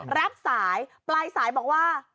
รับสายปลายสายบอกว่า